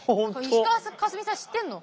石川佳純さん知ってんの？